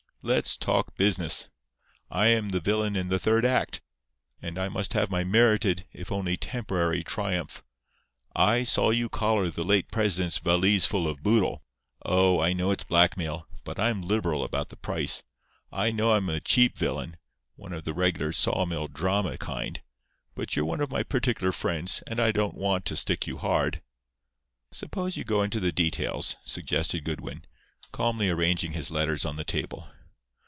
Let's talk business. I am the villain in the third act; and I must have my merited, if only temporary, triumph. I saw you collar the late president's valiseful of boodle. Oh, I know it's blackmail; but I'm liberal about the price. I know I'm a cheap villain—one of the regular sawmill drama kind—but you're one of my particular friends, and I don't want to stick you hard." "Suppose you go into the details," suggested Goodwin, calmly arranging his letters on the table.